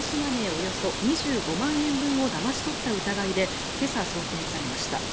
およそ２５万円分をだまし取った疑いで今朝、送検されました。